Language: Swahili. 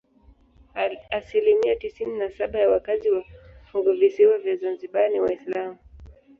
Asilimia tisini na saba ya wakazi wa funguvisiwa vya Zanzibar ni Waislamu.